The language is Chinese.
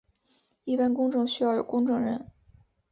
一般公证需要有公证人。